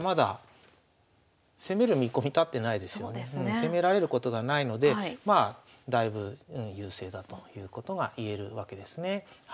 攻められることがないのでだいぶ優勢だということがいえるわけですね。